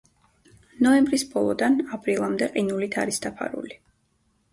ნოემბრის ბოლოდან აპრილამდე ყინულით არის დაფარული.